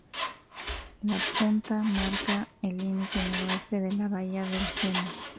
La punta marca el límite noroeste de la bahía del Sena.